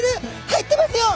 入ってますよ。